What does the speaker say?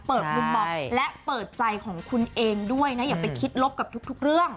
มุมมองและเปิดใจของคุณเองด้วยนะอย่าไปคิดลบกับทุกเรื่อง